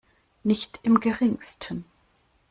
Nicht im Geringsten.